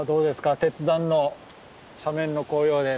鉄山の斜面の紅葉です。